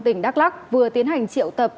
tỉnh đắk lắc vừa tiến hành triệu tập